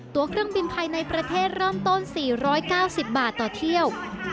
ตัวเครื่องบินภายในประเทศเริ่มต้น๔๙๐บาทต่อเที่ยว